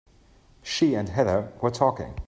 She and Heather were talking.